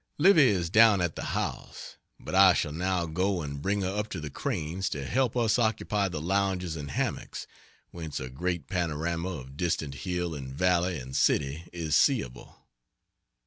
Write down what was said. Livy is down at the house, but I shall now go and bring her up to the Cranes to help us occupy the lounges and hammocks whence a great panorama of distant hill and valley and city is seeable.